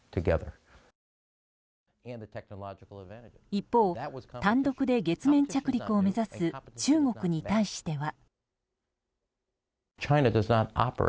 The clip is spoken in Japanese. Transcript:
一方、単独で月面着陸を目指す中国に対しては。